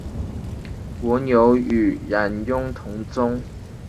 伯牛与冉雍同宗。